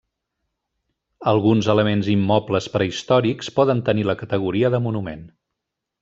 Alguns elements immobles prehistòrics poden tenir la categoria de monument.